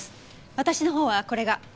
私の方はこれが。